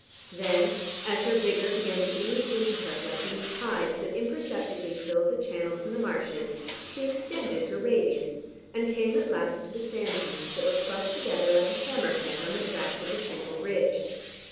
Then, as her vigour began to ooze into her like these tides that imperceptibly filled the channels in the marshes, she extended her radius and came at last to the sand dunes that were clumped together like a hammer head on the shaft of the shingle ridge.